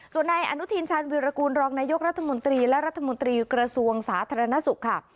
ส่วนนายอนุทินชาญวิรากูลรองนายกรัฐมนตรีและรัฐมนตรีกระทรวงสาธารณสุขค่ะ